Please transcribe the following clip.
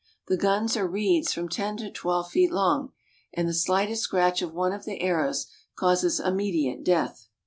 The guns are reeds from ten to twelve feet long, and the slightest scratch of one of the arrows causes immediate death.